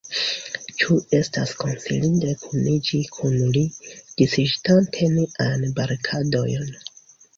Ĉu estas konsilinde kuniĝi kun li, disĵetante niajn barikadojn?